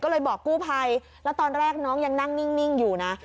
ก็เลยบอกกู้ภัยแล้วตอนแรกน้องยังนั่งนิ่งอยู่นะ